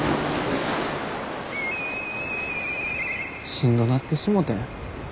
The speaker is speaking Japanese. しんどなってしもてん。